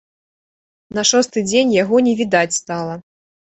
На шосты дзень яго не відаць стала.